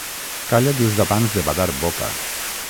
Calla just abans de badar boca.